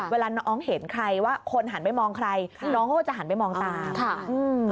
เวลาน้องเห็นใครว่าคนหันไปมองใครน้องเขาก็จะหันไปมองตามค่ะอืม